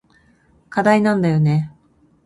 課題なんだよね。